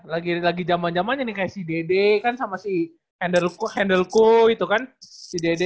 lagi lagi jaman jamannya nih kayak si dede kan sama si handelku handelku itu kan si dede